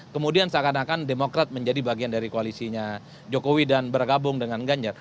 kemudian seakan akan demokrat menjadi bagian dari koalisinya jokowi dan bergabung dengan ganjar